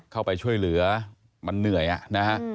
เข้าไปช่วยเหลือมันเหนื่อยนะฮะ